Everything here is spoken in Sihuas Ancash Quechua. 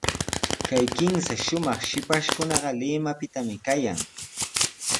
Kay kimsa shumaq shipashkunaqa Limapitami kayan.